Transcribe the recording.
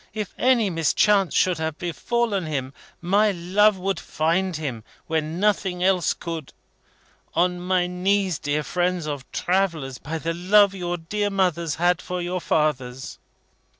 If any mischance should have befallen him, my love would find him, when nothing else could. On my knees, dear friends of travellers! By the love your dear mothers had for your fathers!"